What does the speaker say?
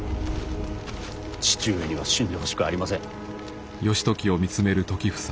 父上には死んでほしくありません。